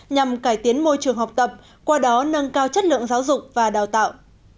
nhằm cải tiến môi trường học tập qua đó nâng cao chất lượng giáo dục và đào tạo